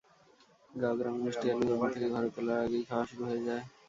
গাঁও-গ্রামে মিষ্টি আলু জমি থেকে ঘরে তোলার আগেই খাওয়া শুরু হয়ে যায়।